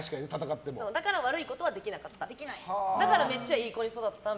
だから悪いことはできなかった。